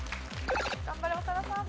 頑張れ長田さん。